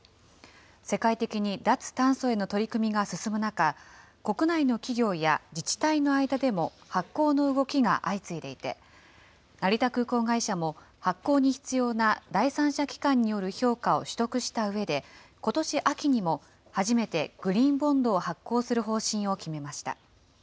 世界的に脱炭素への取り組みが進む中、国内の企業や自治体の間でも、発行の動きが相次いでいて、成田空港会社も発行に必要な第三者機関による評価を取得したうえで、ことし秋にも、初めてグリーンボンドを発行する方針を決めました。